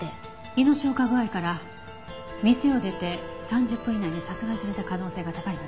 胃の消化具合から店を出て３０分以内に殺害された可能性が高いはず。